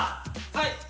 はい。